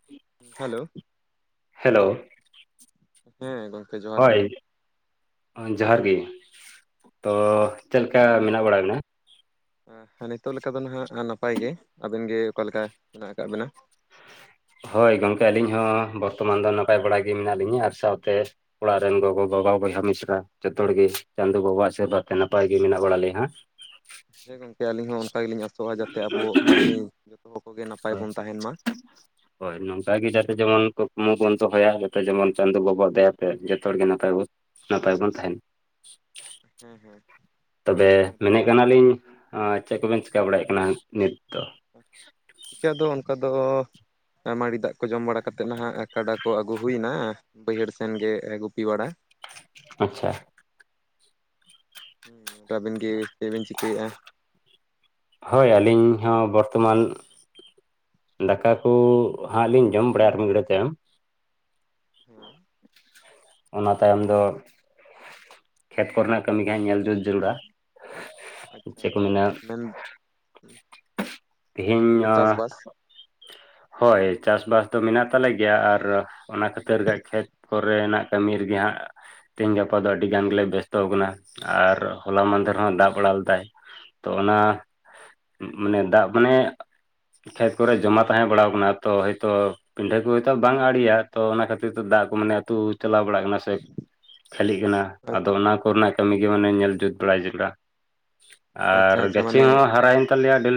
[inaudible] Hello hello ᱦᱮᱸ ᱜᱚᱢᱠᱮ ᱡᱚᱦᱟᱨ ᱜᱮ ᱦᱳᱭ ᱡᱚᱦᱟᱨ ᱜᱮ ᱛᱚ ᱪᱮᱫ ᱞᱮᱠᱟ ᱢᱮᱱᱟᱜ ᱵᱟᱲᱟ ᱢᱮᱱᱟᱜᱼᱵᱤᱱᱟ ᱱᱤᱛᱚᱜ ᱞᱮᱠᱟ ᱫᱚ ᱱᱟᱦᱟᱭᱜ ᱱᱟᱯᱟᱭ ᱜᱮ ᱟᱹᱵᱤᱱ ᱜᱮ ᱚᱠᱟ ᱞᱮᱠᱟ ᱢᱮᱱᱟᱜ ᱟᱠᱟᱫ ᱵᱤᱱᱟ ᱦᱳᱭ ᱜᱚᱢᱠᱮ ᱟᱹᱞᱤᱧ ᱦᱚᱸ ᱵᱚᱨᱛᱚᱢᱟᱱ ᱫᱚ ᱱᱟᱯᱟᱭ ᱵᱟᱲᱟ ᱜᱮ ᱢᱮᱱᱟᱜ ᱞᱤᱧᱟᱹ ᱟᱨ ᱥᱟᱶᱛᱮ ᱚᱲᱟᱜ ᱨᱮᱱ ᱜᱚᱜᱚᱼᱵᱟᱵᱟ ᱵᱚᱭᱦᱟ ᱢᱤᱥᱨᱟ ᱡᱚᱛᱚ ᱦᱚᱲ ᱜᱮ ᱪᱟᱸᱫᱳ ᱵᱟᱵᱟᱣᱟᱜ ᱟᱥᱤᱨᱵᱟᱫᱽ ᱛᱮ ᱱᱟᱯᱟᱭ ᱜᱮ ᱢᱮᱱᱟᱜ ᱵᱟᱲᱟ ᱞᱮᱭᱟ ᱦᱮᱸ ᱜᱚᱝᱠᱮ ᱟᱹᱞᱤᱧ ᱦᱚᱸ ᱚᱱᱠᱟ ᱜᱮᱞᱤᱧ ᱟᱥᱚᱜᱼᱟ ᱡᱟᱛᱮ ᱟᱵᱚ ᱢᱟᱹᱱᱢᱤ ᱡᱚᱛᱚ ᱦᱚᱲ ᱠᱚᱜᱮ ᱱᱟᱯᱟᱭ ᱦᱳᱭ ᱵᱚᱱ ᱛᱟᱦᱮᱱ ᱢᱟ ᱦᱳᱭ ᱱᱚᱝᱠᱟ ᱜᱮ ᱡᱟᱛᱮ ᱡᱮᱢᱚᱱ ᱠᱩᱠᱢᱩ ᱵᱚᱱ ᱫᱚᱦᱚᱭᱟ ᱡᱟᱛᱮ ᱡᱮᱢᱚᱱ ᱪᱟᱸᱫᱳ ᱵᱟᱵᱟᱣᱟᱜ ᱫᱟᱭᱟᱛᱮ ᱡᱚᱛᱚ ᱦᱚᱲᱜᱮ ᱱᱟᱯᱟᱭ ᱵᱚᱱ ᱼᱼᱼ ᱱᱟᱯᱟᱭ ᱵᱚᱱ ᱛᱟᱦᱮᱱᱼᱼᱢᱟ ᱦᱮᱸ ᱦᱮᱸ᱾ ᱛᱚᱵᱮ ᱟᱫᱚ ᱢᱮᱱᱮᱫ ᱛᱟᱦᱚᱞᱮ ᱠᱟᱱᱟᱞᱤᱧ ᱪᱮᱫ ᱠᱚᱵᱮᱱ ᱪᱮᱠᱟ ᱵᱟᱲᱟᱭᱮᱫ ᱠᱟᱱᱟ ᱱᱤᱛ ᱫᱚ? ᱪᱤᱠᱟᱹᱫᱚ ᱚᱱᱠᱟ ᱫᱚ ᱢᱟᱲᱤ ᱫᱟᱜ ᱠᱚ ᱡᱚᱢ ᱵᱟᱲᱟ ᱠᱟᱛᱮᱫ ᱱᱟᱦᱟᱜ ᱠᱟᱰᱟ ᱠᱚ ᱟᱹᱜᱩ ᱦᱩᱭᱱᱟ ᱵᱟᱹᱭᱦᱟᱹᱲ ᱥᱮᱱ ᱜᱮ ᱜᱩᱯᱤ ᱵᱟᱲᱟ᱾ ᱟᱪᱪᱷᱟ᱾ ᱟᱹᱵᱤᱱ ᱜᱮ ᱪᱮᱫ ᱵᱤᱱ ᱪᱤᱠᱟᱹᱭᱮᱫᱼᱟ? ᱦᱳᱭ ᱟᱹᱞᱤᱧ ᱦᱚᱸ ᱵᱚᱨᱛᱚᱢᱟᱱ ᱫᱟᱠᱟ ᱠᱚ ᱦᱟᱸᱜ ᱞᱤᱧ ᱡᱚᱢ ᱵᱟᱲᱟᱭᱟ ᱟᱨ ᱢᱤᱫᱽ ᱜᱷᱟᱹᱲᱤ ᱛᱟᱭᱚᱢ᱾ ᱦᱮᱸ᱾ ᱚᱱᱟ ᱛᱟᱭᱚᱢ ᱫᱚ ᱠᱷᱮᱛ ᱠᱚᱨᱮᱱᱟᱜ ᱠᱟᱹᱢᱤ ᱜᱮ ᱦᱟᱸᱜ ᱧᱮᱞ ᱡᱩᱛ ᱡᱟᱹᱨᱩᱲᱟ᱾ ᱟᱪᱪᱷᱟ ᱪᱮᱫ ᱠᱚ ᱟᱪᱪᱷᱟ ᱢᱮᱱᱟ ᱢᱮᱱ ᱛᱮᱦᱮᱧ ᱢᱮᱱᱫᱚ ᱪᱟᱥᱵᱟᱥ ᱦᱳᱭ ᱪᱟᱥᱵᱟᱥ ᱫᱚ ᱢᱮᱱᱟᱜ ᱛᱟᱞᱮ ᱜᱮᱭᱟ ᱟᱨ ᱚᱱᱟ ᱠᱷᱟᱹᱛᱤᱨ ᱜᱮ ᱠᱷᱮᱛ ᱠᱚᱨᱮᱱᱟᱜ ᱠᱟᱹᱢᱤ ᱨᱮᱜᱮ ᱦᱟᱸᱜ ᱛᱮᱦᱤᱧ ᱜᱟᱯᱟ ᱫᱚ ᱟᱹᱰᱤ ᱜᱟᱱ ᱜᱮᱞᱮ ᱵᱮᱥᱛᱚ ᱟᱠᱟᱱᱟ᱾ ᱟᱨ ᱦᱚᱞᱟ ᱢᱟᱸᱫᱷᱮᱨ ᱦᱚᱸ ᱫᱟᱜᱽ ᱵᱚᱲᱟᱜ ᱞᱮᱫᱟᱭ᱾ ᱛᱚ ᱚᱱᱟ ᱢᱟᱱᱮ ᱫᱟᱜ ᱢᱟᱱᱮ ᱠᱷᱮᱛ ᱠᱚᱨᱮ ᱡᱚᱢᱟ ᱛᱟᱦᱮᱸ ᱵᱟᱲᱟᱣ ᱠᱟᱱᱟ ᱛᱚ ᱦᱚᱭᱛᱚ ᱯᱤᱰᱷᱟᱹ ᱠᱚ ᱦᱚᱭᱛᱚ ᱵᱟᱝ ᱟᱲᱮᱭᱟ ᱛᱚ ᱚᱱᱟ ᱠᱷᱟᱹᱛᱤᱨ ᱛᱮ ᱫᱟᱜ ᱠᱚ ᱢᱟᱱᱮ ᱟᱹᱛᱩ ᱪᱟᱞᱟᱣ ᱵᱟᱲᱟᱜ ᱠᱟᱱᱟ ᱥᱮ᱾ ᱠᱷᱟᱹᱞᱤᱜ ᱠᱟᱱᱟ ᱟᱫᱚ ᱚᱱᱟ ᱠᱚᱨᱮᱱᱟᱜ ᱠᱟᱹᱢᱤ ᱜᱮ ᱢᱟᱱᱮ ᱧᱮᱞ ᱡᱩᱛ ᱵᱟᱲᱟᱭ ᱡᱟᱨᱩᱲᱟ᱾ ᱟᱪᱪᱷᱟ ᱟᱨ ᱟᱪᱪᱷᱟ ᱜᱟᱹᱪᱷᱤ ᱢᱟᱱᱮ ᱦᱚᱸ ᱦᱟᱨᱟᱭᱮᱱ ᱛᱟᱞᱮᱭᱟ ᱟᱹᱰᱤ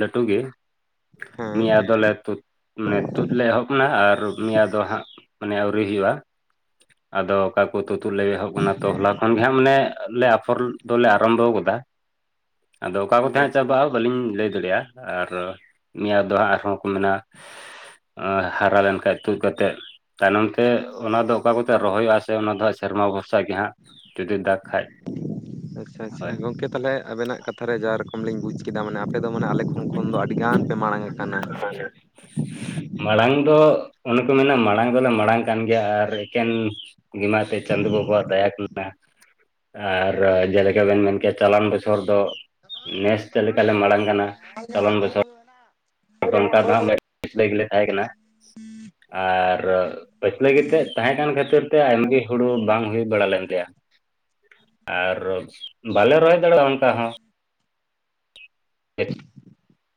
ᱞᱟᱹᱴᱩ ᱜᱮ᱾ ᱦᱮᱸ ᱱᱤᱭᱟᱹ ᱟᱫᱚ ᱞᱮ ᱛᱩᱫᱽ ᱢᱟᱱᱮ ᱛᱩᱫ ᱞᱮ ᱮᱦᱚᱵ ᱮᱱᱟ ᱟᱨ ᱢᱮᱭᱟᱫ ᱫᱚ ᱦᱟᱸᱜ ᱢᱟᱱᱮ ᱟᱹᱣᱨᱤ ᱦᱩᱭᱩᱜᱼᱟ᱾ ᱟᱫᱚ ᱚᱠᱟ ᱠᱚ ᱛᱩᱛᱩᱫ ᱞᱮ ᱮᱦᱚᱵ ᱠᱟᱱᱟ ᱛᱚ ᱦᱚᱞᱟ ᱠᱷᱚᱱᱜᱮ ᱦᱟᱸᱜ ᱢᱟᱱᱮ ᱞᱮ ᱟᱯᱷᱚᱨ ᱫᱚᱞᱮ ᱟᱨᱟᱢᱵᱷᱚᱣ ᱟᱠᱟᱫᱟ ᱟᱫᱚ ᱚᱠᱟ ᱠᱚᱛᱮ ᱟᱪᱪᱷᱟ ᱦᱟᱸᱜ ᱟᱪᱪᱷᱟ ᱪᱟᱵᱟᱜᱼᱟ ᱵᱟᱹᱞᱤᱧ ᱞᱟᱹᱭ ᱫᱟᱲᱮᱭᱟᱜᱼᱟ ᱟᱨ ᱱᱤᱭᱟᱹ ᱫᱚ ᱦᱟᱸᱜ ᱟᱨᱦᱚᱸ ᱠᱚ ᱢᱮᱱᱟ ᱦᱟᱨᱟ ᱞᱮᱱᱠᱷᱟᱡᱽ ᱛᱩᱫᱽ ᱠᱟᱛᱮᱫ ᱛᱟᱭᱱᱚᱢ ᱛᱮ ᱚᱱᱟ ᱫᱚ ᱚᱠᱟ ᱠᱚᱛᱮ ᱨᱚᱦᱚᱭᱚᱜᱼᱟ ᱥᱮ ᱚᱱᱟ ᱫᱚ ᱦᱟᱸᱜ ᱥᱮᱨᱢᱟ ᱵᱷᱚᱨᱥᱟ ᱜᱮ ᱦᱟᱸᱜ ᱡᱩᱫᱤ ᱫᱟᱜᱽ ᱠᱷᱟᱱ᱾ ᱟᱪᱪᱷᱟ ᱟᱪᱪᱷᱟ ᱜᱚᱝᱠᱮ ᱛᱟᱦᱞᱮ ᱟᱵᱮᱱᱟᱜ ᱠᱟᱛᱷᱟ ᱨᱮ ᱡᱟ ᱨᱚᱠᱚᱢ ᱞᱤᱧ ᱵᱩᱡ ᱠᱮᱫᱟ ᱢᱟᱱᱮ ᱟᱯᱮ ᱫᱚ ᱢᱟᱱᱮ ᱟᱞᱮ ᱠᱷᱚᱱ ᱟᱞᱮ ᱠᱷᱚᱱ ᱫᱚ ᱟᱹᱰᱤ ᱜᱟᱱ ᱯᱮ ᱢᱟᱲᱟᱝ ᱟᱠᱟᱱᱟ᱾ ᱛ [unintelligible] ᱢᱟᱲᱟᱝ ᱫᱚ ᱚᱱᱮ ᱠᱚ ᱢᱮᱱᱟ ᱢᱟᱲᱟᱝ ᱫᱚᱞᱮ ᱢᱟᱲᱟᱝ ᱠᱟᱱ ᱜᱮᱭᱟ ᱟᱨ ᱮᱠᱮᱱ ᱜᱤᱢᱟᱛᱮ ᱪᱟᱸᱫᱩ ᱵᱟᱵᱟᱣᱟᱜ ᱫᱟᱭᱟ ᱠᱟᱱᱟ᱾ ᱟᱨ ᱡᱮᱞᱮᱠᱟ ᱵᱮᱱ ᱢᱮᱱ ᱠᱮᱜ-ᱟ ᱪᱟᱞᱟᱣᱮᱱ ᱵᱚᱪᱷᱚᱨ ᱫᱚ ᱱᱮᱥ ᱪᱮᱫ ᱞᱮᱠᱟᱞᱮ ᱢᱟᱲᱟᱝ ᱠᱟᱱᱟ ᱯ ᱪᱟᱞᱟᱣᱮᱱ ᱛ ᱵᱚᱪᱷᱚᱨ [unintelligible] ᱚᱱᱠᱟ ᱫᱚ ᱦᱟᱜ [unintelligible] ᱯᱤᱪᱷᱞᱟᱹ ᱜᱮᱞᱮ ᱛᱟᱦᱮᱸ ᱠᱟᱱᱟ ᱟᱨ ᱯᱟᱹᱪᱞᱟᱹ ᱜᱮᱛᱮᱫ ᱛᱟᱦᱮᱸ ᱠᱟᱱ ᱠᱷᱟᱹᱛᱤᱨ ᱛᱮ ᱟᱭᱜᱤ ᱦᱩᱲᱩ ᱵᱟᱝ ᱦᱩᱭ ᱵᱟᱲᱟ ᱞᱮᱱ ᱛᱟᱭᱟ᱾ ᱟᱨ ᱵᱟᱞᱮ ᱨᱚᱦᱚᱭ ᱫᱟᱲᱮᱭᱟᱜᱼᱟ ᱚᱱᱠᱟ ᱦᱚᱸ᱾ [inaudible] ᱟᱪᱪᱷᱟ᱾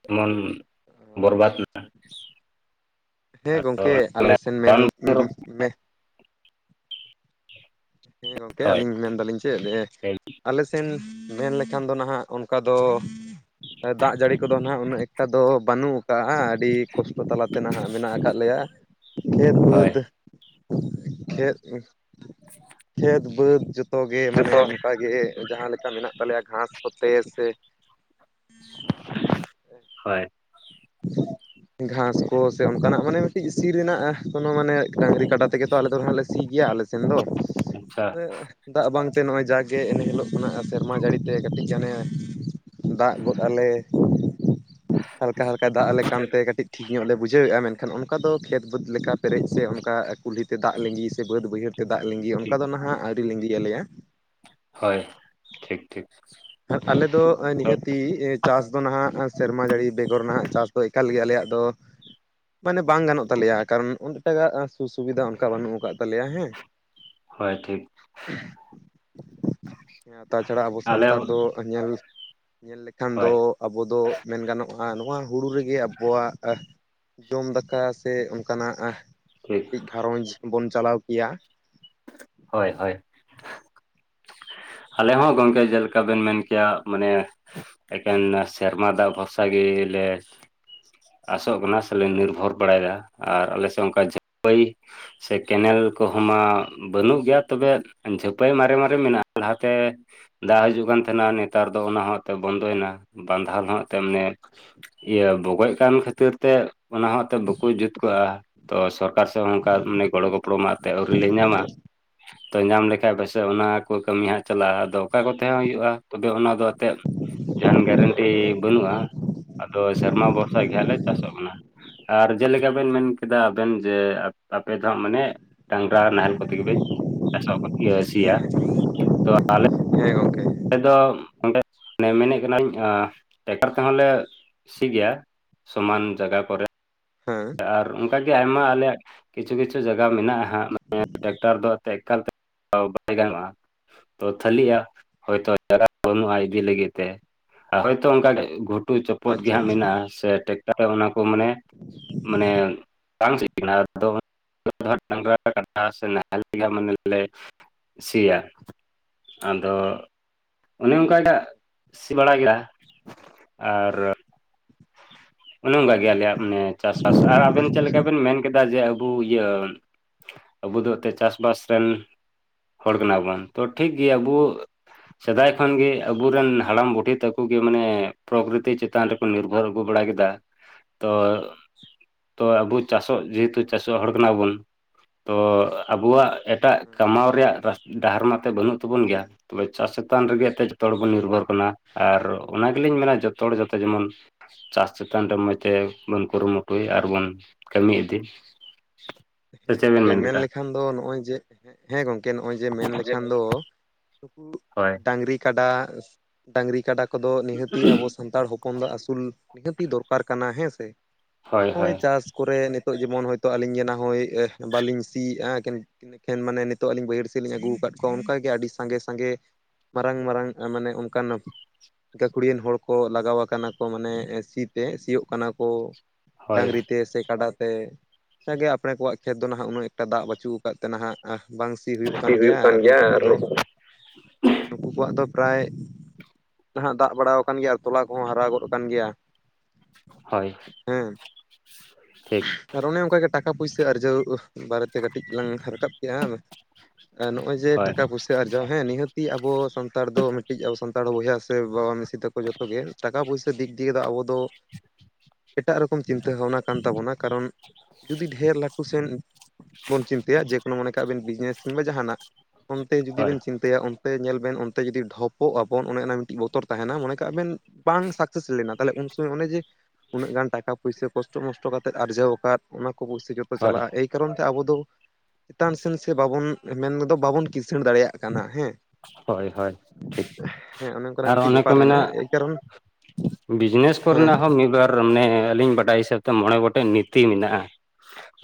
ᱮᱢᱚᱱ ᱟᱪᱪᱷᱟ ᱟᱪᱪᱷᱟ᱾ ᱦᱮᱸ ᱜᱚᱢᱠᱮ ᱟᱞᱮ ᱥᱮᱱ ᱢᱮᱱ ᱦᱮᱸ ᱜᱚᱢᱠᱮ ᱦᱳᱭ ᱟᱹᱞᱤᱧ ᱢᱮᱱ ᱫᱟᱞᱤᱧ ᱪᱮᱫ ᱟᱞᱮ ᱥᱮᱱ ᱢᱮᱱ ᱞᱮᱠᱷᱟᱱ ᱫᱚ ᱱᱟᱦᱟᱜ ᱚᱱᱠᱟ ᱫᱚ ᱫᱟᱜ ᱡᱟᱹᱲᱤ ᱠᱚ ᱫᱚ ᱦᱟᱸᱜ ᱩᱱᱟᱹᱜ ᱮᱠᱴᱟ ᱫᱚ ᱵᱟᱹᱱᱩᱜ ᱠᱟᱜᱼᱟ᱾ ᱟᱹᱰᱤ ᱠᱚᱥᱴᱚ ᱛᱟᱞᱟᱛᱮ ᱱᱟᱦᱟᱜ ᱢᱮᱱᱟᱜ ᱟᱠᱟᱫ ᱞᱮᱭᱟ ᱠᱷᱮᱛ, ᱦᱳᱭ ᱵᱟᱹᱫᱽ ᱪᱮᱫ? [inaudible] ᱠᱷᱮᱛ, ᱵᱟᱹᱫᱽ ᱡᱚᱛᱚᱜᱮ ᱢᱟᱱᱮ ᱡᱚᱛᱚ ᱚᱱᱠᱟᱜᱮ ᱡᱟᱦᱟᱸ ᱞᱮᱠᱟ ᱢᱮᱱᱟᱜ ᱛᱟᱞᱮᱭᱟ ᱜᱷᱟᱥ ᱠᱚᱛᱮ ᱥᱮ ᱦᱳᱭ᱾ [inaudible] ᱜᱷᱟᱥ ᱠᱚ ᱥᱮ ᱚᱱᱠᱟᱱᱟᱜ ᱢᱟᱱᱮ ᱢᱤᱫᱴᱤᱡ ᱥᱤ ᱨᱮᱱᱟᱜ ᱠᱳᱱᱳ ᱢᱟᱱᱮ ᱰᱟᱝᱨᱤ ᱠᱟᱰᱟ ᱛᱮᱜᱮ ᱛᱚ ᱟᱞᱮ ᱫᱚ ᱦᱟᱸᱜ ᱞᱮ ᱥᱤᱭ ᱜᱮᱭᱟ ᱟᱞᱮ ᱟᱪᱪᱷᱟ [unintelligible] ᱫᱟᱜ ᱵᱟᱝᱛᱮ ᱱᱚᱜᱼᱚᱭ ᱡᱟᱜᱮ ᱮᱱᱮ ᱦᱤᱞᱳᱜ ᱠᱟᱱᱟ ᱥᱮᱨᱢᱟ ᱡᱟᱹᱲᱤᱛᱮ ᱠᱟᱹᱴᱤᱡ ᱜᱟᱱᱮ ᱫᱟᱜ ᱜᱚᱫ ᱟᱞᱮ ᱡᱟᱦᱟᱞᱮᱠᱟ ᱫᱟᱜ ᱟᱞᱮ ᱠᱟᱱᱛᱮ ᱠᱟᱹᱴᱤᱡ ᱴᱷᱤᱠ ᱧᱚᱜ ᱞᱮ ᱵᱩᱡᱷᱟᱹᱣᱮᱫᱼᱟ ᱢᱮᱱᱠᱷᱟᱱ ᱚᱱᱠᱟ ᱫᱚ ᱠᱷᱮᱛ ᱵᱟᱹᱫᱽ ᱞᱮᱠᱟ ᱯᱮᱨᱮᱡ ᱥᱮ ᱚᱱᱠᱟ ᱠᱩᱞᱦᱤ ᱛᱮ ᱫᱟᱜ ᱞᱤᱸᱜᱤ ᱥᱮ ᱵᱟᱹᱫ ᱵᱟᱹᱭᱦᱟᱹᱲ ᱫᱟᱜ ᱞᱤᱜᱤ ᱚᱱᱠᱟ ᱴᱷᱤᱠ ᱫᱚ ᱱᱟᱦᱟᱜ ᱟᱹᱣᱨᱤ ᱞᱤᱸᱜᱤᱭ ᱟᱞᱮᱭᱟ ᱦᱳᱭ ᱴᱷᱤᱠ ᱴᱷᱤᱠ ᱟᱞᱮ ᱫᱚ ᱱᱤᱦᱟᱹᱛᱤ ᱪᱟᱥ ᱫᱚ ᱱᱟᱦᱟᱜ ᱥᱮᱨᱢᱟ ᱡᱟᱹᱲᱤ ᱵᱮᱜᱚᱨ ᱨᱮᱱᱟᱜ ᱪᱟᱥ ᱫᱚ ᱮᱠᱟᱞ ᱜᱮ ᱟᱞᱮᱭᱟᱜ ᱫᱚ ᱢᱟᱱᱮ ᱵᱟᱝ ᱜᱟᱱᱚᱜ ᱛᱟᱞᱮᱭᱟ ᱠᱟᱨᱚᱱ ᱚᱱ ᱮᱴᱟᱜ ᱥᱩ ᱥᱩᱵᱤᱫᱷᱟ ᱚᱱᱠᱟ ᱵᱟᱹᱱᱩᱜ ᱠᱟᱫ ᱛᱟᱞᱮᱭᱟ ᱦᱮᱸ ᱦᱳᱭ ᱴᱷᱤᱠ ᱛᱟᱪᱷᱟᱲᱟ ᱟᱵᱚ ᱟᱞᱮ ᱥᱟᱱᱛᱟᱲ ᱦᱚᱸ ᱫᱚ ᱧᱮᱞ ᱧᱮᱞ ᱞᱮᱠᱷᱟᱱ ᱦᱳᱭ ᱫᱚ ᱟᱵᱚ ᱫᱚ ᱢᱮᱱ ᱜᱟᱱᱚᱜᱼᱟ ᱱᱚᱣᱟ ᱦᱩᱲᱩ ᱨᱮᱜᱮ ᱟᱵᱚᱣᱟᱜ ᱡᱚᱢ ᱫᱟᱠᱟ ᱥᱮ ᱚᱱᱠᱟᱱᱟᱜ ᱴᱷᱤᱠ ᱢᱤᱫᱴᱤᱡ ᱜᱷᱟᱨᱚᱸᱡᱽ ᱵᱚᱱ ᱪᱟᱞᱟᱣ ᱠᱮᱭᱟ ᱦᱳᱭ ᱦᱳᱭ [inaudible] ᱟᱞᱮ ᱦᱚᱸ ᱜᱚᱝᱠᱮ ᱡᱮᱞᱮᱠᱟ ᱪᱮᱠᱟ ᱵᱮᱱ ᱢᱮᱱ ᱠᱮᱭᱟ ᱢᱟᱱᱮ ᱮᱠᱮᱱ ᱥᱮᱨᱢᱟ ᱫᱟᱜ ᱵᱷᱚᱨᱥᱟ ᱜᱤ ᱞᱮ ᱟᱥᱚᱜ ᱠᱟᱱᱟ ᱥᱮᱞᱮ ᱱᱤᱨᱵᱷᱚᱨ ᱵᱟᱲᱟᱭᱮᱫᱟ ᱟᱨ ᱟᱞᱮ ᱥᱮᱫ ᱚᱱᱠᱟ [unintelligible] ᱥᱮ ᱠᱮᱱᱮᱞ ᱠᱚᱦᱚᱸ ᱢᱟ ᱵᱟᱹᱱᱩᱜ ᱜᱮᱭᱟ ᱛᱚᱵᱮ ᱡᱷᱟᱹᱯᱟᱹᱭ ᱢᱟᱨᱮ ᱢᱟᱨᱮ ᱢᱮᱱᱟᱜᱼᱟ ᱞᱟᱦᱟᱛᱮ ᱫᱟᱜ ᱦᱤᱡᱩᱜ ᱠᱟᱱ ᱛᱟᱦᱮᱱᱟ ᱱᱮᱛᱟᱨ ᱫᱚ ᱚᱱᱟ ᱦᱚᱸ ᱮᱱᱛᱮᱫ ᱵᱚᱱᱫᱚᱭᱮᱱᱟ ᱵᱟᱸᱫᱷᱟ ᱦᱚᱸ [unintelligible] ᱤᱭᱟᱹ ᱵᱚᱜᱚᱡ ᱠᱟᱱ ᱠᱷᱟᱹᱛᱤᱨ ᱛᱮ ᱚᱱᱟᱦᱚᱸ ᱮᱱᱛᱮᱫ ᱵᱟᱠᱚ ᱡᱩᱛ ᱠᱟᱜᱼᱟ ᱛᱚ ᱥᱚᱨ ᱥᱚᱨᱠᱟᱨ ᱥᱮ ᱚᱱᱠᱟ ᱢᱟᱱᱮ ᱜᱚᱲᱚ ᱜᱚᱯᱚᱲᱚ ᱢᱟ ᱮᱱᱛᱮ ᱟᱹᱣᱨᱤ ᱞᱮ ᱧᱟᱢᱟ ᱛᱚ ᱧᱟᱢ ᱞᱮᱠᱷᱟᱡ ᱯᱟᱥᱮᱡ ᱚᱱᱟ ᱠᱚ ᱠᱟᱹᱢᱤ ᱦᱟᱸᱜ ᱪᱟᱞᱟᱜᱼᱟ ᱟᱫᱚ ᱚᱠᱟ ᱠᱚᱛᱮ ᱦᱚᱸ ᱦᱩᱭᱩᱜᱼᱟ ᱛᱚᱵᱮ ᱚᱱᱟ ᱫᱚ ᱮᱱᱛᱮᱜ ᱡᱟᱦᱟᱱ ᱜᱮᱨᱮᱱᱴᱤ ᱵᱟᱹᱱᱩᱜᱼᱟ ᱟᱫᱚ ᱥᱮᱨᱢᱟ ᱵᱷᱚᱨᱥᱟ ᱜᱮᱦᱟᱜ ᱞᱮ ᱪᱟᱥᱚᱜ ᱠᱟᱱᱟ ᱟᱨ ᱡᱮᱞᱮᱠᱟ ᱵᱮᱱ ᱢᱮᱱ ᱠᱮᱫᱟ ᱟᱵᱮᱱ ᱡᱮ ᱟᱯᱮ ᱫᱚ ᱦᱟᱸᱜ ᱢᱟᱱᱮ ᱰᱟᱝᱨᱟ ᱱᱟᱦᱮᱞ [unintelligible] ᱛᱚ ᱟᱞᱮ ᱦᱮ ᱜᱚᱢᱠᱮ ᱟᱞᱮ ᱫᱚ ᱚᱸᱰᱮ ᱢᱮᱱᱮᱫ ᱠᱟᱹᱱᱟᱹᱧ ᱴᱮᱠᱴᱟᱨ ᱛᱮᱦᱚᱸ ᱞᱮ ᱥᱤ ᱜᱮᱭᱟ ᱥᱚᱢᱟᱱ ᱡᱟᱭᱜᱟ ᱠᱚᱨᱮ ᱦᱮᱸ ᱟᱨ ᱚᱱᱠᱟᱜ ᱜᱮ ᱟᱭᱢᱟ ᱟᱞᱮᱭᱟᱜ ᱠᱤᱪᱷᱩ ᱠᱤᱪᱷᱩ ᱡᱟᱜᱜᱟ ᱢᱮᱱᱟᱜᱼᱟ ᱦᱟᱸ [unintelligible] ᱴᱨᱟᱠᱴᱟᱨ ᱫᱚ [unintelligible] ᱮᱱᱛᱮᱜ ᱮᱠᱟᱞᱛᱮ ᱵᱟᱭ ᱜᱟᱱᱚᱜᱼᱟ ᱦᱚᱭᱛᱚ ᱛᱟᱹᱞᱤᱜᱼᱟ ᱦᱳᱭᱛᱳ ᱡᱟᱜᱟ ᱵᱟᱹᱱᱩᱜᱼᱟ ᱤᱫᱤ ᱞᱟᱹᱜᱤᱫ ᱛᱮ ᱟᱨ ᱦᱳᱭᱛᱳ ᱚᱱᱠᱟ ᱜᱷᱩᱴᱩ ᱪᱚᱯᱚᱫ ᱟᱪᱪᱷᱟ ᱜᱮᱦᱟᱸᱜ ᱢᱮᱱᱟᱜᱼᱟ ᱥᱮ ᱴᱨᱟᱠᱴᱟᱨ ᱨᱮ ᱚᱱᱟ ᱠᱚ ᱢᱟᱱᱮ ᱢᱟᱱᱮ [unintelligible] ᱰᱟᱝᱨᱟ [unintelligible] ᱠᱟᱴᱟ ᱥᱮ ᱱᱟᱦᱮᱞ ᱢᱟᱱᱮ ᱞᱮ ᱥᱤᱭᱟ ᱟᱫᱚ ᱚᱱᱮ ᱚᱱᱠᱟᱜᱮ ᱦᱟᱜ ᱥᱤ ᱵᱟᱲᱟ ᱠᱮᱫᱟ ᱟᱨ ᱚᱱᱮ ᱚᱱᱠᱟ ᱜᱮ ᱟᱞᱮᱭᱟᱜ ᱢᱟᱱᱮ ᱪᱟᱥ ᱟᱨ ᱟᱵᱮᱱ ᱪᱮᱫ ᱞᱮᱠᱟ ᱵᱮᱱ ᱢᱮᱱ ᱠᱮᱫᱟ ᱡᱮ ᱟᱵᱚ ᱤᱭᱟᱹ ᱟᱵᱚ ᱫᱚ ᱮᱱᱛᱮ ᱪᱟᱥᱵᱟᱥ ᱨᱮᱱ ᱦᱚᱲ ᱠᱟᱱᱟᱵᱚᱱ ᱛᱚ ᱴᱷᱤᱠ ᱜᱮᱭᱟ ᱟᱵᱚ ᱥᱮᱫᱟᱭ ᱠᱷᱚᱱ ᱜᱮ ᱟᱵᱚᱨᱮᱱ ᱦᱟᱲᱟᱢ ᱵᱩᱰᱷᱤ ᱛᱟᱠᱚ ᱜᱮ ᱢᱟᱱᱮ ᱯᱨᱚᱠᱨᱤᱛᱤ ᱪᱮᱛᱟᱱ ᱨᱮᱠᱚ ᱱᱤᱨᱵᱷᱚᱨ ᱟᱹᱜᱩ ᱵᱟᱲᱟ ᱠᱮᱫᱟ ᱛᱚ ᱛᱚ ᱟᱵᱚ ᱪᱟᱥᱚᱜ ᱡᱮᱦᱮᱛᱩ ᱪᱟᱥᱚᱜ ᱦᱚᱲ ᱠᱟᱱᱟ ᱵᱚᱱ ᱛᱚ ᱟᱵᱚᱣᱟᱜ ᱮᱴᱟᱜ ᱠᱟᱢᱟᱣ ᱨᱮᱭᱟᱜ ᱰᱟᱦᱟᱨ ᱢᱟᱛᱮ ᱵᱟᱹᱱᱩᱜ ᱛᱟᱵᱚᱱ ᱜᱮᱭᱟ ᱛᱚᱵᱮ ᱪᱟᱥ ᱪᱮᱛᱟᱱ ᱨᱮᱜᱮ ᱮᱱᱛᱮ ᱡᱚᱛᱚ ᱦᱚᱲ ᱵᱚᱱ ᱱᱤᱨᱵᱷᱚᱨ ᱠᱟᱱᱟ ᱟᱨ ᱚᱱᱟ ᱜᱮᱞᱤᱧ ᱢᱮᱱᱟ ᱡᱚᱛᱚ ᱦᱚᱲ ᱡᱚᱛᱚ ᱡᱮᱢᱚᱱ ᱪᱟᱥ ᱪᱮᱛᱟᱱ ᱨᱮ ᱢᱚᱸᱡᱽ ᱛᱮᱵᱚᱱ ᱠᱩᱨᱩᱢᱩᱴᱩᱭ ᱟᱨᱵᱚᱱ ᱠᱟᱹᱢᱤ ᱤᱫᱤ ᱥᱮ ᱦᱮᱸ ᱪᱮᱫ ᱵᱮᱱ ᱜᱚᱝᱠᱮ ᱢᱮᱱ ᱠᱮᱫᱟ ᱞᱮᱠᱷᱟᱱ ᱫᱚ ᱱᱚᱜᱼᱚᱭ ᱡᱮ ᱦᱮᱸ ᱜᱚᱝᱠᱮ ᱱᱚᱜᱼᱚᱭ ᱡᱮ ᱢᱮᱱ ᱞᱮᱠᱷᱟᱱ ᱡᱮᱢᱚᱱ ᱫᱚ ᱱᱩᱠᱩ ᱦᱳᱭ ᱰᱟᱝᱨᱤ ᱠᱟᱰᱟ ᱰᱟᱝᱨᱤ ᱠᱟᱰᱟ ᱠᱚᱫᱚ ᱱᱤᱦᱟᱹᱛᱤ ᱟᱵᱚ ᱥᱟᱱᱛᱟᱲ ᱦᱚᱯᱚᱱ ᱫᱚ ᱟᱹᱥᱩᱞ ᱱᱤᱦᱟᱹᱛᱤ ᱫᱚᱨᱠᱟᱨ ᱠᱟᱱᱟ ᱦᱮᱸ ᱥᱮ ᱦᱳᱭ ᱱᱚᱜᱼᱚᱭ ᱦᱳᱭ ᱪᱟᱥ ᱠᱚᱨᱮ ᱱᱤᱛᱚᱜ ᱡᱮᱢᱚᱱ ᱦᱚᱭᱛᱳ ᱟᱹᱞᱤᱧᱱᱟ ᱦᱳᱭ ᱵᱟᱹᱞᱤᱧ ᱥᱤᱭᱮᱫᱼᱟ ᱮᱠᱷᱮᱱ ᱢᱟᱱᱮ ᱱᱤᱛᱚᱜ ᱟᱹᱞᱤᱧ ᱵᱟᱹᱭᱦᱟᱹᱲ ᱥᱮᱫ ᱞᱤᱧ ᱟᱹᱜᱩ ᱟᱠᱟᱫ ᱠᱚᱣᱟ ᱚᱱᱠᱟ ᱜᱮ ᱟᱹᱰᱤ ᱥᱟᱸᱜᱮ ᱥᱟᱸᱜᱮ ᱢᱟᱨᱟᱝ ᱢᱟᱨᱟᱝ ᱢᱟᱱᱮ ᱚᱱᱠᱟᱱᱚᱜ ᱜᱟᱹᱠᱷᱩᱲᱤᱭᱟᱹᱱ ᱦᱚᱲ ᱠᱚ ᱞᱟᱜᱟᱣ ᱟᱠᱟᱱᱟ ᱠᱚ ᱢᱟᱱᱮ ᱥᱤ ᱛᱮ ᱥᱤᱭᱳᱜ ᱠᱟᱱᱟ ᱠᱚ᱾ ᱦᱳᱭ ᱰᱟᱝᱨᱤ ᱛᱮ ᱥᱮ ᱠᱟᱰᱟ ᱛᱮ ᱡᱟᱜᱮ ᱟᱯᱲᱮ ᱠᱚᱣᱟᱜ ᱠᱷᱮᱛ ᱫᱚ ᱱᱟᱦᱟᱜ ᱩᱱᱟᱹᱜ ᱮᱠᱴᱟ ᱫᱟᱜ ᱵᱟᱹᱪᱩᱜ ᱟᱠᱟᱫ ᱛᱮ ᱱᱟᱦᱟᱜ ᱼᱼ ᱵᱟᱝ ᱥᱤ ᱦᱩᱭᱩᱜ ᱠᱟᱱ ᱜᱮᱭᱟ ᱟᱨ ᱱᱩᱠᱩ ᱠᱚᱫᱚ ᱼᱼ ᱱᱩᱠᱩ ᱠᱚᱣᱟᱜ ᱫᱚ ᱯᱨᱟᱭ ᱼᱼ ᱦᱚᱸ ᱫᱟᱜ ᱵᱟᱲᱟ ᱟᱠᱟᱱ ᱜᱮᱭᱟ ᱟᱨ ᱛᱚᱞᱟ ᱠᱚᱦᱚᱸ ᱦᱟᱨᱟ ᱜᱚᱫ ᱟᱠᱟᱱ ᱜᱮᱭᱟ ᱾ ᱦᱳᱭ ᱴᱷᱤᱠ ᱼᱼ ᱟᱨ ᱚᱱᱮ ᱚᱱᱠᱟᱜᱮ ᱴᱟᱠᱟ ᱯᱩᱭᱥᱟᱹ ᱟᱨᱡᱟᱣ ᱵᱟᱨᱮᱛᱮ ᱠᱟᱹᱴᱤᱡ ᱞᱟᱝ ᱨᱟᱠᱟᱵ ᱠᱮᱜᱼᱟ ᱦᱟᱝ ᱟᱨ ᱱᱚᱜᱼᱚᱭ ᱼᱼ ᱡᱮ ᱦᱳᱭ ᱴᱟᱠᱟ ᱯᱩᱭᱥᱟᱹ ᱟᱨᱡᱟᱣ ᱦᱮᱸ ᱱᱤᱦᱟᱹᱛᱤ ᱟᱵᱚ ᱥᱟᱱᱛᱟᱲ ᱫᱚ ᱢᱤᱫᱴᱤᱡ ᱟᱵᱚ ᱥᱟᱱᱛᱟᱲ ᱵᱚᱭᱦᱟ ᱥᱮ ᱵᱟᱵᱟ ᱢᱤᱥᱤ ᱛᱟᱠᱚ ᱡᱚᱛᱚ ᱼᱼ ᱡᱚᱛᱚᱜᱮ ᱴᱟᱠᱟ ᱯᱩᱭᱥᱟ ᱫᱤᱠ ᱫᱤᱭᱮ ᱫᱚ ᱟᱵᱚ ᱫᱚ ᱼᱼ [unintelligible] ᱮᱴᱟᱜ ᱨᱚᱠᱚᱢ ᱪᱤᱱᱛᱟᱹ ᱵᱷᱟᱵᱽᱱᱟ ᱠᱟᱱ ᱛᱟᱵᱚᱱᱟ ᱠᱟᱨᱚᱱ ᱼᱼ ᱡᱩᱫᱤ ᱰᱷᱮᱨ ᱞᱟᱹᱴᱩ ᱥᱮᱱ ᱵᱚᱱ ᱪᱤᱱᱛᱟᱹᱭᱟ ᱡᱮᱠᱳᱱᱳ ᱢᱚᱱᱮ ᱠᱟᱜ ᱵᱤᱱ ᱵᱤᱡᱽᱱᱮᱥ ᱠᱤᱝᱵᱟ ᱡᱟᱦᱟᱱᱟᱜ ᱼᱼ ᱚᱱᱛᱮ ᱡᱩᱫᱤ ᱦᱳᱭ ᱵᱮᱱ [unintelligible] ᱚᱱᱛᱮ ᱧᱮᱞ ᱵᱮᱱ ᱚᱱᱛᱮ ᱡᱩᱫᱤ ᱰᱷᱚᱯᱚᱜ ᱟᱵᱚᱱ ᱚᱱᱮ ᱚᱱᱟ ᱢᱤᱫᱴᱤᱡ ᱵᱚᱛᱚᱨ ᱛᱟᱦᱮᱱᱟ ᱢᱚᱱᱮ ᱠᱟᱜ ᱵᱮᱱ ᱼᱼ ᱵᱟᱝ ᱥᱟᱠᱥᱮᱥ ᱞᱮᱱᱟ ᱛᱟᱞᱦᱮ ᱩᱱ ᱥᱚᱢᱚᱭ ᱚᱱᱮ ᱡᱮ ᱩᱱᱟᱹᱜ ᱜᱟᱱ ᱴᱟᱠᱟ ᱯᱩᱭᱥᱟᱹ ᱠᱚᱥᱴᱚ ᱢᱚᱥᱴᱚ ᱠᱟᱛᱮᱫ ᱟᱨᱡᱟᱣ ᱟᱠᱟᱫ ᱼᱼ ᱚᱱᱟ ᱠᱚ ᱯᱩᱭᱥᱟᱹ ᱡᱚᱛᱚ ᱦᱳᱭ ᱪᱟᱞᱟᱜᱼᱟ ᱠᱟᱨᱚᱱ ᱛᱮ ᱟᱵᱚ ᱫᱚ ᱪᱮᱛᱟᱱ ᱥᱮᱱ ᱥᱮ ᱵᱟᱵᱚᱱ ᱢᱮᱱ ᱫᱚ ᱵᱟᱵᱚᱱ ᱠᱤᱥᱟᱹᱬ ᱫᱟᱲᱮᱭᱟᱜ ᱠᱟᱱᱟ ᱦᱮᱸ ᱦᱳᱭ ᱦᱳᱭ ᱴᱷᱤᱠ ᱦᱮᱸ ᱚᱱᱮ ᱚᱱᱠᱟᱱᱟᱜ ᱟᱨ ᱢᱤᱫᱴᱤᱡ ᱚᱱᱮ ᱠᱚ ᱵᱮᱯᱟᱨ ᱢᱮᱱᱟᱼᱼ ᱢᱮᱱᱟᱜᱼᱟ ᱮᱭ ᱠᱟᱨᱚᱱ ᱵᱤᱡᱽᱱᱮᱥ ᱦᱮᱸ ᱠᱚᱨᱮᱱᱟᱜ ᱦᱚᱸ ᱢᱤᱫ ᱵᱟᱨ ᱼᱼ ᱢᱟᱱᱮ ᱟᱹᱞᱤᱧ ᱵᱟᱰᱟᱭ ᱦᱤᱥᱟᱹᱵ ᱛᱮ ᱢᱚᱬᱮ ᱜᱚᱴᱮᱱ ᱱᱤᱛᱤ ᱢᱮᱱᱟᱜᱼᱟ ᱾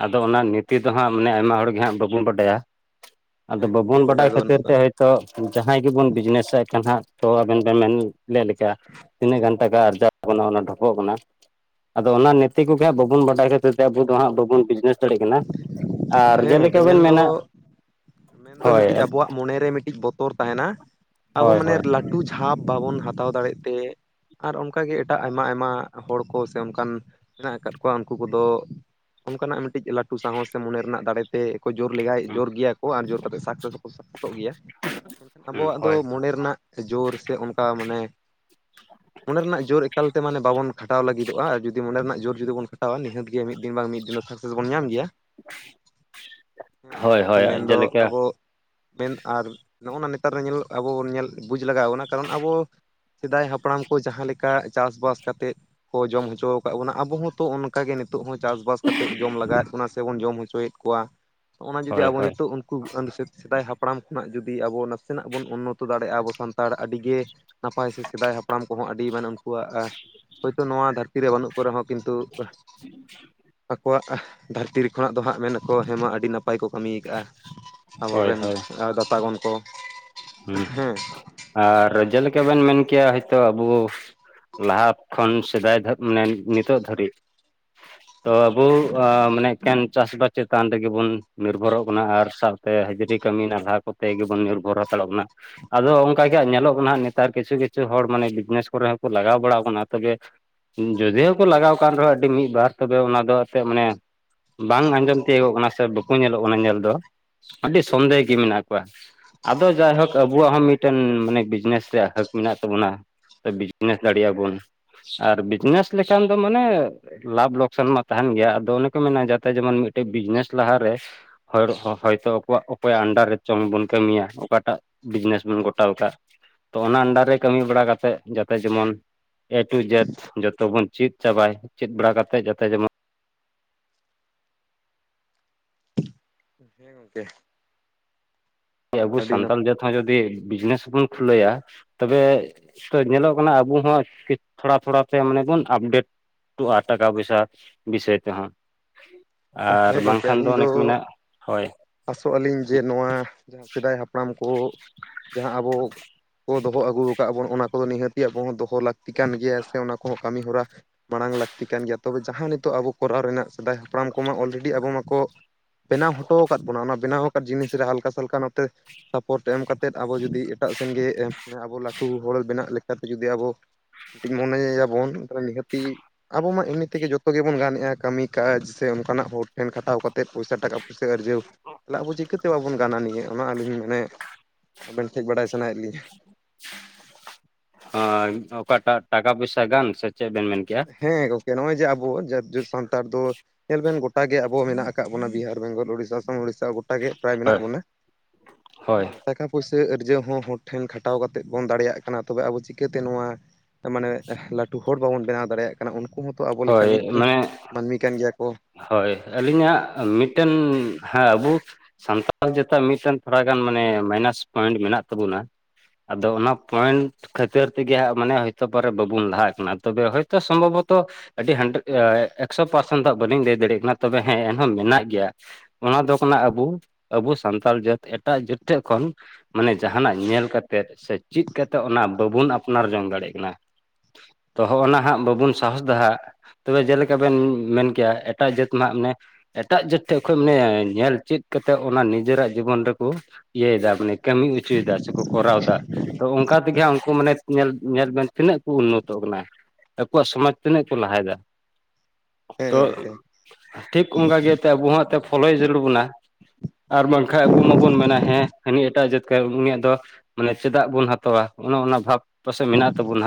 ᱟᱫᱚ ᱚᱱᱟ ᱱᱤᱛᱤ ᱫᱚ ᱦᱟᱸᱜ ᱢᱟᱱᱮ ᱟᱭᱢᱟ ᱦᱚᱲᱜᱮ ᱦᱟᱸᱜ ᱵᱟᱵᱚᱱ ᱵᱟᱰᱟᱭᱟ ᱾ ᱟᱫᱚ ᱦᱮᱸ ᱜᱚᱝᱠᱮ ᱵᱟᱵᱚᱱ ᱵᱟᱰᱟᱭ ᱫᱚ ᱵᱟᱹᱱᱩᱜ ᱠᱷᱟᱹᱛᱤᱨ ᱛᱮ ᱟᱠᱟᱜᱼᱟ ᱦᱚᱭ ᱛᱚ ᱡᱟᱦᱟᱸᱭ ᱜᱮᱵᱚᱱ ᱵᱤᱡᱽᱱᱮᱥᱮᱫ ᱠᱟᱱ ᱦᱟᱸᱜ ᱛᱚ ᱟᱵᱮᱱ ᱵᱮᱱ ᱢᱮᱱ ᱼᱼ ᱞᱮ ᱞᱮᱠᱟ ᱛᱤᱱᱟᱹᱜ ᱜᱟᱱ ᱴᱟᱠᱟ ᱟᱨᱡᱟᱜ ᱚᱱᱟ ᱚᱱᱟ ᱰᱷᱚᱯᱚᱜ ᱠᱟᱱᱟ ᱟᱫᱚ ᱚᱱᱟ ᱱᱤᱛᱤ ᱠᱚᱜᱮ ᱦᱟᱸᱜ ᱵᱟᱵᱚᱱ ᱵᱟᱰᱟᱭ ᱠᱷᱟᱹᱛᱤᱨ ᱛᱮ ᱟᱵᱚ ᱫᱚ ᱦᱟᱸᱜ ᱵᱟᱵᱚᱱ ᱵᱤᱡᱽᱱᱮᱥᱼᱼ [unintelligible] ᱠᱟᱱᱟ ᱟᱨ ᱦᱮᱸ ᱜᱚᱝᱠᱮ ᱡᱮᱞᱮᱠᱟ ᱵᱮᱱ ᱢᱮᱱᱫᱚ ᱢᱮᱱᱟ ᱢᱮᱱᱫᱚ ᱦᱳᱭ ᱼᱼ ᱢᱤᱫᱴᱤᱡ ᱟᱵᱚᱣᱟᱜ ᱢᱚᱱᱮᱨᱮ ᱢᱤᱫᱴᱤᱡ ᱵᱚᱛᱚᱨ ᱛᱟᱦᱮᱱᱟ ᱟᱵᱚ ᱦᱳᱭ ᱢᱟᱱᱮ ᱦᱳᱭ ᱞᱟᱹᱴᱩ ᱡᱷᱟᱯ ᱵᱟᱵᱚᱱ ᱦᱟᱛᱟᱣ ᱫᱟᱲᱮᱜ ᱛᱮ ᱟᱨ ᱚᱱᱠᱟᱜᱮ ᱮᱴᱟᱜ ᱟᱭᱢᱟ ᱟᱭᱢᱟ ᱦᱚᱲ ᱠᱚ ᱥᱮ ᱚᱱᱠᱟᱱ ᱢᱮᱱᱟᱜ ᱟᱠᱟᱫ ᱠᱚᱣᱟ ᱩᱱᱠᱩ ᱠᱚᱫᱚ ᱚᱱᱠᱟᱱᱟᱜ ᱢᱤᱫᱴᱤᱡ ᱞᱟᱹᱴᱩ ᱥᱟᱦᱚᱥ ᱥᱮ ᱢᱚᱱᱮ ᱨᱮᱱᱟᱜ ᱫᱟᱲᱮ ᱛᱮ ᱠᱚ ᱡᱳᱨ ᱞᱮᱜᱟᱭ ᱡᱳᱨ ᱜᱮᱭᱟ ᱠᱚ ᱟᱨ ᱡᱳᱨ ᱠᱟᱛᱮ ᱥᱟᱠᱥᱮᱥ ᱼᱼ ᱥᱟᱥᱚᱜ ᱜᱮᱭᱟ ᱢᱮᱱᱠᱷᱟᱱ ᱦᱳᱭ ᱟᱵᱚᱣᱟᱜ ᱫᱚ ᱦᱳᱭ ᱢᱚᱱᱮ ᱨᱮᱱᱟᱜ ᱡᱳᱨ ᱥᱮ ᱚᱱᱠᱟ ᱢᱟᱱᱮ ᱼᱼ [inaudible] ᱢᱚᱱᱮ ᱨᱮᱱᱟᱜ ᱡᱳᱨ ᱮᱠᱟᱞᱛᱮ ᱢᱚᱱᱮ ᱵᱟᱵᱚᱱ ᱠᱷᱟᱴᱟᱣ ᱞᱟᱹᱜᱤᱫᱼᱟ ᱟᱨ ᱡᱩᱫ ᱢᱚᱱᱮ ᱨᱮᱱᱟᱜ ᱡᱳ ᱡᱩᱫᱤ ᱵᱚᱱ ᱠᱷᱟᱣᱟ ᱱᱤᱦᱟᱹᱛ ᱜᱮ ᱢᱤᱫ ᱫᱤᱱ ᱵᱟᱝ ᱢᱤᱫ ᱫᱤᱱ ᱼᱼ ᱥᱟᱠᱥᱮᱥ ᱵᱚᱱ ᱧᱟᱢ ᱜᱮᱭᱟ ᱾ ᱦᱮᱸ ᱟᱨ ᱦᱳᱭ ᱦᱳᱭ ᱵᱟᱝᱠᱷᱟᱱ ᱢᱮᱱᱫᱚ ᱡᱮᱞᱮᱠᱟ ᱟᱵᱚ ᱼᱼ ᱢᱮᱱ ᱟᱨ ᱱᱚᱜᱼᱚ ᱱᱟ ᱱᱮᱛᱟᱨ ᱨᱮ ᱧᱮᱞ ᱟᱵᱚ ᱵᱚᱱ ᱧᱮᱞ ᱵᱩᱡᱽ ᱞᱟᱜᱟᱣ ᱟᱵᱚᱱᱟ ᱠᱟᱨᱚᱱ ᱟᱵᱚ ᱼᱼ ᱥᱮᱫᱟᱭ ᱦᱟᱯᱲᱟᱢ ᱠᱚ ᱡᱟᱦᱟᱸ ᱞᱮᱠᱟ ᱪᱟᱥᱵᱟᱥ ᱠᱟᱛᱮᱫ ᱠᱚ ᱡᱚᱢ ᱦᱚᱪᱚ ᱟᱠᱟᱜ ᱵᱚᱱᱟ ᱟᱵᱚᱦᱚᱸ ᱦᱚᱸᱛᱚ ᱼᱼ ᱠᱟ ᱜᱮ ᱱᱤᱛᱚᱜ ᱦᱚᱸ ᱪᱟᱥᱵᱟᱥ ᱠᱟᱛᱮᱫ ᱡᱚᱢ ᱞᱟᱜᱟᱣᱮᱫ ᱵᱚᱱᱟ ᱥᱮ ᱵᱚᱱ ᱡᱚᱢ ᱦᱚᱪᱚᱭᱮᱫ ᱠᱚᱣᱟ ᱦᱚᱜᱼᱚᱱᱟ ᱡᱩᱫᱤ ᱦᱳᱭ ᱟᱵᱚ ᱦᱳᱭ ᱱᱤᱛᱚᱜ [unintelligible] ᱥᱮᱫᱟᱭ ᱦᱟᱯᱲᱟᱢ ᱠᱷᱚᱱᱟᱜ ᱡᱩᱫᱤ ᱟᱵᱚ ᱱᱟᱥᱮᱱᱟᱜ ᱵᱚᱱ ᱩᱱᱱᱚᱛᱚ ᱫᱟᱲᱮᱭᱟᱜᱼᱟ ᱟᱵᱚ ᱥᱟᱱᱛᱟᱲ ᱟᱹᱰᱤᱜᱮ ᱱᱟᱯᱟᱭ ᱥᱮ ᱥᱮᱫᱟᱭ ᱦᱟᱯᱲᱟᱢ ᱠᱚᱦᱚᱸ ᱟᱹᱰᱤ [unintelligible] ᱟᱠᱚᱣᱟᱜ ᱦᱳᱭᱛᱚ ᱱᱚᱣᱟ ᱫᱷᱟᱹᱨᱛᱤ ᱨᱮ ᱵᱟᱹᱱᱩᱜ ᱠᱚ ᱨᱮᱦᱚᱸ ᱠᱤᱱᱛᱩ ᱟᱠᱚᱣᱟᱜ ᱼᱼ ᱫᱷᱟᱹᱨᱛᱤ ᱨᱮ ᱠᱷᱚᱱᱟᱜ ᱫᱚ ᱦᱟᱸᱜ ᱢᱮᱱᱟᱠᱚ ᱦᱮᱸᱢᱟ ᱟᱹᱰᱤ ᱱᱟᱯ ᱯᱟᱭ ᱠᱚ ᱠᱟᱹᱢᱤᱭ ᱟᱠᱟᱜᱼᱟ ᱦᱳᱭ ᱟᱵᱚᱨᱮᱱ ᱦᱳᱭ ᱫᱟᱛᱟ ᱜᱚᱱ ᱠᱚ᱾ ᱦᱩᱸ ᱦᱮᱸ ᱟᱨ ᱡᱮᱞᱮᱠᱟ ᱵᱮᱱ ᱢᱮᱱ ᱠᱮᱭᱟ ᱦᱳᱭᱛᱳ ᱟᱵᱩ ᱞᱟᱦᱟ ᱠᱷᱚᱱ ᱥᱮᱫᱟᱭ ᱢᱟᱱᱮ ᱱᱤᱛᱚᱜ ᱫᱷᱟᱹᱨᱤᱜ ᱾ ᱛᱚ ᱟᱵᱩ ᱟ ᱢᱟᱱᱮ ᱮᱠᱮᱱ ᱪᱟᱥ ᱵᱟᱥ ᱪᱮᱛᱟᱱ ᱨᱮᱜᱮ ᱵᱩᱱ ᱱᱤᱨᱵᱷᱚᱨᱚᱜ ᱠᱟᱱᱟ ᱟᱨ ᱥᱟᱣ ᱼᱼ ᱛᱮ ᱦᱟᱹᱡᱽᱨᱤ ᱠᱟᱹᱢᱤ ᱱᱟᱞᱦᱟ ᱠᱚᱛᱮ ᱜᱮᱵᱚᱱ ᱱᱤᱨᱵᱷᱚᱨ ᱦᱟᱛᱟᱲᱟᱜ ᱠᱟᱱᱟ᱾ ᱟᱫᱚ ᱚᱱᱠᱟ ᱜᱮ ᱧᱮᱞᱚᱜ ᱠᱟᱱᱟ ᱱᱮᱛᱟᱨ ᱠᱤᱪᱷᱩ ᱠᱤᱪᱷᱩ ᱦᱚᱲ ᱢᱟᱱᱮ ᱵᱤᱡᱽᱱᱮᱥ ᱠᱚᱨᱮ ᱦᱚᱸᱠᱚ ᱞᱟᱜᱟᱣ ᱵᱟᱲᱟᱣ ᱠᱟᱱᱟ ᱛᱚᱵᱮ ᱼᱼ ᱡᱚᱫᱤᱳ ᱦᱚᱸᱠᱚ ᱞᱟᱜᱟᱣ ᱟᱠᱟᱱ ᱨᱮᱦᱚᱸ ᱟᱹᱰᱤ ᱢᱤᱫ ᱵᱟᱨ ᱛᱚᱵᱮ ᱚᱱᱟ ᱫᱚ ᱟᱛᱮ ᱢᱟᱱᱮ ᱼᱼ ᱵᱟᱝ ᱟᱸᱡᱚᱢ ᱛᱤᱭᱳᱜᱚᱜ ᱠᱟᱱᱟ ᱥᱮ ᱵᱟᱠᱚ ᱧᱮᱞᱚᱜ ᱠᱟᱱᱟ ᱧᱮᱞ ᱫᱚ ᱟᱹᱰᱤ ᱥᱚᱱᱫᱮᱦ ᱜᱮ ᱢᱮᱱᱟᱜ ᱠᱚᱣᱟ ᱟᱫᱚ ᱡᱟᱭᱦᱳᱠ ᱟᱵᱚᱣᱟᱜ ᱦᱚᱸ ᱢᱤᱫᱴᱮᱱ ᱢᱟᱱᱮ ᱵᱤᱡᱽᱱᱮᱥ ᱨᱮᱭᱟᱜ ᱦᱟᱹᱠ ᱢᱮᱱᱟᱜ ᱛᱟᱵᱚᱱᱟ ᱵᱤᱡᱽᱱᱮᱥ ᱫᱟᱲᱮᱭᱟᱜᱼᱟ ᱵᱚᱱ ᱟᱨ ᱵᱤᱡᱽᱱᱮᱥ ᱞᱮᱠᱷᱟᱱ ᱫᱚ ᱢᱟᱱᱮ ᱞᱟᱵᱷ ᱞᱚᱠᱥᱟᱱ ᱢᱟ ᱛᱟᱦᱮᱱ ᱜᱮᱭᱟ ᱟᱫᱚ ᱚᱱᱮ ᱠᱚ ᱢᱮᱱᱟ ᱡᱟᱛᱮ ᱡᱮᱢᱚᱱ ᱢᱤᱫᱴᱮᱡ ᱵᱤᱡᱽᱱᱮᱥ ᱞᱟᱦᱟᱨᱮ ᱦᱚᱲ ᱦᱚᱭᱛᱚ ᱟᱠᱚᱭᱟᱜ ᱚᱠᱚᱭᱟᱜ ᱟᱱᱰᱟᱨ ᱨᱮ ᱪᱚ ᱵᱚᱱ ᱠᱟᱹᱢᱤᱭᱟ ᱚᱠᱟᱴᱟᱜ ᱵᱤᱡᱽᱱᱮᱥ ᱵᱚᱱ ᱜᱚᱴᱟᱣ ᱟᱠᱟᱫ ᱛᱚ ᱚᱱᱟ ᱟᱱᱰᱟᱨ ᱨᱮ ᱠᱟᱹᱢᱤ ᱵᱟᱲᱟ ᱠᱟᱛᱮᱫ ᱡᱟᱛᱮ ᱡᱮᱢᱚᱱ ᱮ ᱴᱩ ᱡᱮᱴᱷ ᱡᱚᱛᱚ ᱵᱚᱱ ᱪᱮᱫ ᱪᱟᱵᱟᱭ ᱪᱮᱫ ᱵᱟᱲᱟ ᱠᱟᱛᱮᱜ ᱡᱟᱛᱮ ᱡᱮᱢᱚᱱ ᱦᱮᱸ ᱜᱚᱝᱠᱮ ᱟᱵᱚ ᱟᱹᱰᱤ ᱥᱟᱱᱛᱟᱲ ᱱᱟᱯᱟᱭ ᱡᱟᱹᱛ ᱦᱚᱸ ᱡᱩᱫᱤ ᱵᱤᱡᱽᱱᱮᱥ ᱵᱚᱱ ᱠᱷᱩᱞᱟᱹᱭᱟ ᱛᱚᱵᱮ ᱛᱚ ᱧᱮᱞᱚᱜ ᱠᱟᱱᱟ ᱟᱵᱚ ᱦᱚᱸ ᱛᱷᱚᱲᱟ ᱛᱷᱚᱲᱟ ᱛᱮ ᱢᱟᱱᱮ ᱵᱚᱱ ᱟᱯᱰᱮᱴ ᱩ ᱟᱨ ᱴᱟᱠᱟ ᱯᱚᱭᱥᱟ ᱵᱤᱥᱚᱭ ᱛᱮᱦᱚᱸ ᱟᱨ ᱦᱮᱸ ᱜᱚᱝᱠᱮ ᱵᱟᱝᱠᱷᱟᱱ ᱫᱚ ᱟᱹᱞᱤᱧ ᱚᱱᱮ ᱠᱚ ᱢᱮᱱᱟᱜ ᱦᱳᱭ ᱟᱥᱚᱜ ᱟᱹᱞᱤᱧ ᱡᱮ ᱱᱚᱣᱟ ᱡᱟᱦᱟᱸ ᱥᱮᱫᱟᱭ ᱦᱟᱯᱲᱟᱢ ᱠᱚ ᱡᱟᱦᱟᱸ ᱟᱵᱚ ᱠᱚ ᱫᱚᱦᱚ ᱟᱹᱜᱩ ᱟᱠᱟᱫ ᱵᱚᱱ ᱚᱱᱟ ᱠᱚ ᱫᱚ ᱱᱤᱦᱟᱹᱛᱤᱜ ᱟᱵᱚ ᱦᱚᱸ ᱫᱚᱦᱚ ᱞᱟᱹᱠᱛᱤ ᱠᱟᱱ ᱜᱮᱭᱟ ᱥᱮ ᱚᱱᱟ ᱠᱚᱦᱚᱸ ᱠᱟᱹᱢᱤ ᱦᱚᱨᱟ ᱢᱟᱲᱟᱝ ᱞᱟᱹᱠᱛᱤ ᱠᱟᱱ ᱜᱮᱭᱟ ᱛᱚᱵᱮ ᱡᱟᱦᱟᱸ ᱱᱤᱛᱚᱜ ᱟᱵᱚ ᱠᱚᱨᱟᱣ ᱨᱮᱱᱟᱜ ᱥᱮᱫᱟᱭ ᱦᱟᱯᱲᱟᱢ ᱠᱚᱢᱟ ᱚᱞᱨᱮᱰᱤ ᱟᱵᱚ ᱢᱟᱠᱚ ᱵᱮᱱᱟᱣ ᱦᱚᱴᱚ ᱟᱠᱟᱫ ᱵᱚᱱᱟ ᱚᱱᱟ ᱵᱮᱱᱟᱣ ᱟᱠᱟᱫ ᱡᱤᱱᱤᱥ ᱨᱮ ᱦᱟᱞᱠᱟᱥᱟᱞᱠᱟ ᱱᱚᱛᱮ ᱥᱟᱯᱳᱨᱴ ᱮᱢ ᱠᱟᱛᱮᱫ ᱟᱵᱚ ᱡᱩᱫᱤ ᱮᱴᱟᱜ ᱥᱮᱱᱜᱮᱟᱱ ᱟᱵᱚ ᱞᱟᱹᱴᱩ ᱦᱚᱲ ᱵᱮᱱᱟᱜ ᱞᱮᱠᱟᱛᱮ ᱡᱩᱫᱤ ᱟᱵᱚ ᱢᱚᱱᱮᱭᱮᱭᱟᱵᱚᱱ ᱱᱤᱦᱟᱹᱛᱤ ᱟᱵᱚ ᱢᱟ ᱤᱱᱟᱹ ᱛᱤᱜᱤ ᱡᱚᱛᱚ ᱜᱮᱵᱚᱱ ᱜᱟᱱᱮᱫᱼᱟ ᱠᱟᱹᱢᱤ ᱠᱟᱡᱽ ᱥᱮ ᱚᱱᱠᱟᱱᱟᱜ ᱦᱚᱲ ᱴᱷᱮᱱ ᱠᱷᱟᱴᱟᱣ ᱠᱟᱛᱮ ᱯᱚᱭᱥᱟ ᱴᱟᱠᱟ ᱯᱩᱭᱥᱟᱹ ᱟᱨᱡᱟᱹᱣ ᱪᱟᱞᱟᱜᱵᱚ ᱪᱤᱠᱟᱹᱛᱮ ᱪᱮ ᱵᱟᱵᱚᱱ ᱜᱟᱱᱟ ᱱᱤᱭᱟᱹ ᱚᱱᱟ ᱟᱹᱞᱤᱧ ᱢᱮᱱᱮ ᱟᱵᱮᱱ ᱴᱷᱮᱡ ᱵᱟᱲᱟᱭ ᱥᱟᱱᱟᱭᱮᱫ ᱞᱤᱧᱟᱹ ᱦᱚᱭ ᱚᱠᱟᱴᱟᱜ ᱴᱟᱠᱟ ᱯᱚᱭᱥᱟ ᱜᱟᱱ ᱥᱮ ᱪᱮᱫ ᱵᱮᱱ ᱢᱮᱱ ᱠᱮᱜᱼᱟ ᱦᱮᱸ ᱜᱚᱝᱠᱮ ᱱᱚᱜᱼᱚᱭ ᱡᱮ ᱟᱵᱚ ᱡᱟᱹᱛ ᱥᱟᱱᱛᱟᱲ ᱫᱚ ᱧᱮᱞ ᱵᱮᱱ ᱜᱚᱴᱟ ᱜᱮ ᱟᱵᱚ ᱢᱮᱱᱟᱜ ᱟᱠᱟᱫ ᱵᱚᱱᱟ ᱵᱤᱦᱟᱨ ᱵᱮᱝᱜᱚᱞ ᱩᱲᱤᱥᱟ ᱟᱥᱟᱢ ᱩᱲᱤᱥᱟ ᱜᱚᱴᱟᱜᱮ ᱯᱨᱟᱭ ᱢᱮᱱᱟᱜ ᱦᱳᱭ ᱵᱚᱱᱟ ᱦᱳᱭ ᱦᱮᱸ ᱴᱟᱠᱟ ᱯᱩᱭᱥᱟᱹ ᱟᱹᱨᱡᱟᱹᱣ ᱦᱚᱸ ᱦᱚᱲ ᱴᱷᱮᱱ ᱠᱷᱟᱴᱟᱣ ᱠᱟᱛᱮᱫ ᱵᱚᱱ ᱫᱟᱲᱮᱭᱟᱜ ᱠᱟᱱᱟ ᱛᱚᱵᱮ ᱟᱵᱚ ᱪᱤᱠᱟᱹᱛᱮ ᱱᱚᱶᱟ ᱢᱟᱱᱮ ᱞᱟᱹᱴᱩ ᱦᱚᱲ ᱵᱟᱵᱚᱱ ᱵᱮᱱᱟᱣ ᱫᱟᱲᱮᱭᱟᱜ ᱠᱟᱱᱟ ᱩᱱᱠᱩ ᱦᱚᱸᱛᱚ ᱟᱵᱚ ᱦᱳᱭ ᱞᱮᱠᱟᱱᱤᱡ ᱢᱟᱱᱮ ᱢᱟᱹᱱᱢᱤ ᱠᱟᱱ ᱜᱮᱭᱟ ᱠᱚ ᱦᱳᱭ ᱟᱹᱞᱤᱧᱟᱜ ᱢᱤᱫᱴᱮᱱ ᱦᱮᱸ ᱟᱵᱩ ᱥᱟᱱᱛᱟᱲ ᱡᱟ. ᱛᱟᱜ ᱢᱤᱫᱴᱮᱱ ᱛᱷᱚᱲᱟ ᱜᱟᱱ ᱢᱟᱱᱮ ᱢᱟᱭᱱᱟᱥ ᱯᱚᱭᱮᱱᱴ ᱢᱮᱱᱟᱜ ᱛᱟᱵᱚᱱᱟ ᱟᱫᱚ ᱚᱱᱟ ᱯᱚᱭᱮᱱᱴ ᱠᱷᱟᱹᱛᱤᱨ ᱛᱮᱜᱮ ᱦᱟᱜ ᱢᱟᱱᱮ ᱦᱚᱭᱛᱚ ᱯᱚᱨᱮ ᱵᱟᱵᱩᱱ ᱞᱟᱦᱟᱜ ᱠᱟᱱᱟ ᱛᱚᱵᱮ ᱦᱚᱭᱛᱚ ᱥᱚᱢᱵᱷᱚᱵᱚᱛ ᱛᱚ ᱟᱹᱰᱤ ᱦᱟᱱᱰ ᱮᱠᱥᱚ ᱯᱟᱨᱥᱮᱱ ᱫᱚ ᱵᱟᱹᱞᱤᱧ ᱞᱟᱹᱭ ᱫᱟᱲᱮᱭᱟᱜ ᱠᱟᱱᱟ ᱛᱚᱵᱮ ᱦᱮᱸ ᱮᱱᱦᱚᱸ ᱢᱮᱱᱟᱜ ᱜᱮᱭᱟ ᱚᱱᱟ ᱫᱚ ᱠᱟᱱᱟ ᱟᱵᱩ ᱟᱵᱩ ᱥᱟᱱᱛᱟᱞ ᱡᱟᱹᱛ ᱮᱴᱟᱜ ᱡᱟᱹᱛ ᱴᱷᱮᱜ ᱠᱷᱚᱱ ᱢᱟᱱᱮ ᱡᱟᱦᱟᱱᱟᱜ ᱧᱮᱞ ᱠᱟᱛᱮᱜ ᱥᱮ ᱪᱤᱫ ᱠᱟᱛᱮᱫ ᱚᱱᱟ ᱵᱟᱵᱩᱱ ᱟᱯᱱᱟᱨ ᱡᱚᱝ ᱫᱟᱲᱮᱭᱟᱜ ᱠᱟᱱᱟ᱾ ᱛᱚ ᱦᱚᱜᱼᱱᱟ ᱦᱟᱸᱜ ᱵᱟᱵᱩᱱ ᱥᱟᱦᱚᱥᱫᱟ ᱦᱟᱸᱜ ᱛᱚᱵᱮ ᱡᱮᱞᱮᱠᱟ ᱵᱮᱱ ᱢᱮᱱ ᱠᱮᱭᱟ ᱮᱴᱟᱜ ᱡᱟᱹᱛ ᱱᱟᱜ ᱢᱮᱸᱫ ᱮᱴᱟᱜ ᱡᱟᱹᱛ ᱴᱷᱮᱡ ᱠᱷᱚᱡ ᱢᱟᱱᱮ ᱧᱮᱞ ᱪᱮᱫ ᱠᱟᱛᱮᱫ ᱚᱱᱟ ᱱᱤᱡᱮᱨᱟᱜ ᱡᱤᱵᱚᱱ ᱨᱮᱠᱚ ᱤᱭᱟᱹᱭᱮᱫᱟ ᱢᱟᱱᱮ ᱠᱟᱹᱢᱤ ᱚᱪᱚᱭᱮᱫᱟ ᱥᱮᱠᱚ ᱠᱚᱨᱟᱣ ᱫᱟ ᱛᱚ ᱚᱱᱠᱟ ᱛᱮᱜᱮ ᱦᱟᱜ ᱩᱱᱠᱩ ᱢᱟᱱᱮ ᱧᱮᱞ ᱧᱮᱞ ᱵᱮᱱ ᱛᱤᱱᱟᱹᱜ ᱠᱚ ᱩᱱᱱᱚᱛᱚ ᱠᱟᱱᱟ ᱟᱠᱚᱣᱟᱜ ᱥᱚᱢᱟᱡᱽ ᱛᱤᱱᱟᱹᱜ ᱠᱚ ᱞᱟᱦᱟᱭᱮᱫᱟ ᱦᱮᱸ ᱛᱚ ᱜᱚᱝᱠᱮ ᱴᱷᱤᱠ ᱚᱱᱠᱟ ᱜᱮᱛᱚ ᱟᱵᱚ ᱦᱚᱸ ᱮᱱᱛᱮ ᱯᱷᱚᱞᱚᱭ ᱡᱟᱹᱨᱩᱲ ᱵᱚᱱᱟ ᱟᱨ ᱵᱟᱝᱠᱷᱟᱡ ᱟᱵᱚ ᱢᱟᱵᱚᱱ ᱢᱮᱱᱟ ᱦᱮᱸ ᱦᱟᱹᱱᱤ ᱮᱴᱟᱜ ᱡᱟᱹᱛ ᱩᱱᱤᱭᱟᱜ ᱫᱚ ᱢᱟᱱᱮ ᱪᱮᱫᱟᱜ ᱵᱚᱱ ᱦᱟᱛᱟᱣᱟ ᱚᱱᱮ ᱚᱱᱟ ᱵᱷᱟᱵᱽ ᱯᱟᱥᱮᱡ ᱢᱮᱱᱟᱜ ᱛᱟᱵᱚᱱᱟ